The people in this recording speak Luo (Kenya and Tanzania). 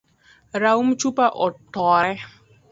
Raum chupa otore.